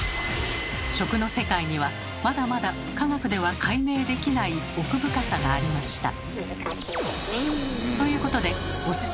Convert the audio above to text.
食の世界にはまだまだ科学では解明できない奥深さがありました。